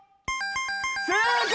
正解！